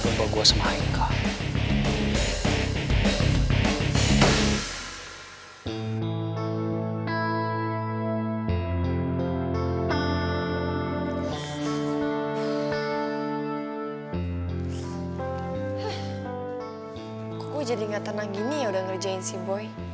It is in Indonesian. kemudian pergi alf